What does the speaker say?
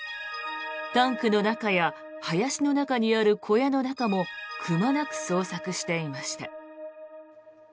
タンクの中や林の中にある小屋の中もくまなく捜索していました。